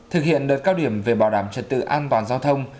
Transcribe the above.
thực hiện đợt cao điểm về bảo đảm trật tự an toàn giao thông